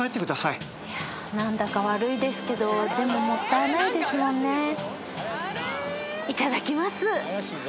何だか悪いですけどでももったいないですもんね。